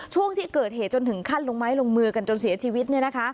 ช่วงที่เกิดเหตุจนถึงขั้นลงไม้ลงมือกันจนเสียชีวิต